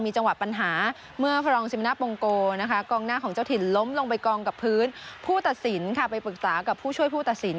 เจ้าถิ่นล้มลงไปกองกับพื้นผู้ตัดสินค่ะไปปรึกษากับผู้ช่วยผู้ตัดสิน